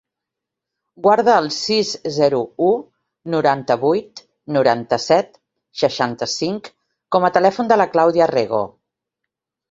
Guarda el sis, zero, u, noranta-vuit, noranta-set, seixanta-cinc com a telèfon de la Clàudia Rego.